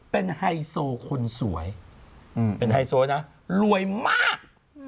เป็นไฮโซคนสวยเป็นไฮโซนะรวยมาก